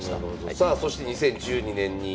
さあそして２０１２年に。